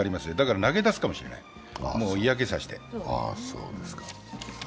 だから投げ出すかもしれない、もう嫌気が差して。